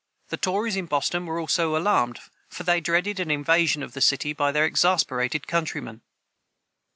The tories in Boston were also alarmed, for they dreaded an invasion of the city by their exasperated countrymen.